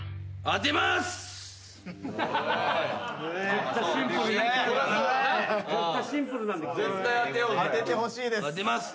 当ててほしいです。